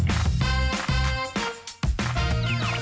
ซึ่งก็ก็ต่อเป็นผู้แต่งตั้งขึ้น